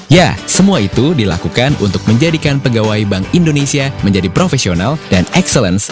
ya semua itu dilakukan untuk menjadikan pegawai bank indonesia menjadi profesional dan excellence